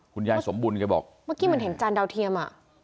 คุณยายสมบุญแกบอกเมื่อกี้เหมือนเห็นจานดาวเทียมอ่ะ